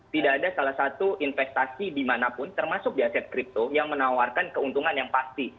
tidak ada salah satu investasi dimanapun termasuk di aset kripto yang menawarkan keuntungan yang pasti